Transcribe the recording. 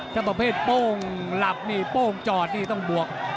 ถ้าประเภทโป้งหลับนี่โป้งจอดนี่ต้องบวก